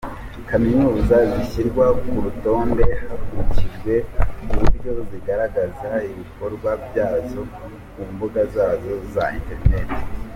Kaminuza zishyirwa ku rutonde hakurikijwe uburyo zigaragaza ibikorwa byazo ku mbuga zazo za interineti.